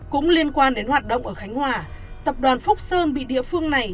cũng liên quan đến hoạt động ở khánh hòa tập đoàn phúc sơn bị địa phương này